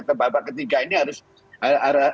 ke babak ketiga ini harus lolos